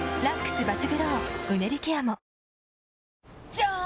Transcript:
じゃーん！